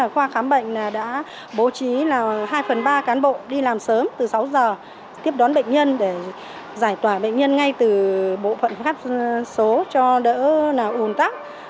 khoa khám bệnh đã bố trí hai phần ba cán bộ đi làm sớm từ sáu giờ tiếp đón bệnh nhân để giải tỏa bệnh nhân ngay từ bộ phận khách số cho đỡ ồn tắc